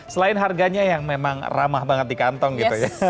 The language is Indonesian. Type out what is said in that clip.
selain harganya yang memang ramah banget di kantong gitu ya